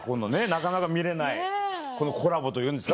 なかなか見れないこのコラボというんですか？